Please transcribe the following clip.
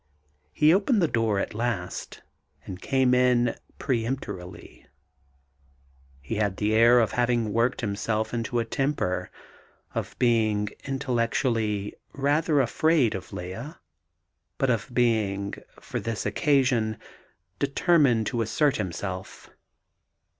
He opened the door at last, and came in rather peremptorily. He had the air of having worked himself into a temper of being intellectually rather afraid of Lea, but of being, for this occasion, determined to assert himself.